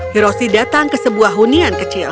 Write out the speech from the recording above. hiroshi datang ke sebuah hunian kecil